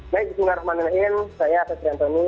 baik assalamualaikum wr wb saya satria antoni